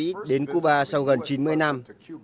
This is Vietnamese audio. tổng thống mỹ đến cuba sau gần chín mươi năm